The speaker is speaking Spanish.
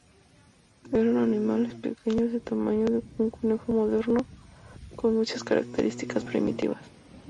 Eran animales pequeños, del tamaño de un conejo moderno, con muchas características primitivas.